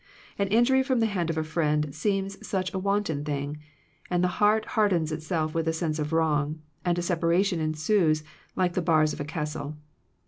An injury from the hand of a friend seems such a wanton thing, and the heart hard ens itself with the sense of wrong, and a separation ensues like the bars of a castle.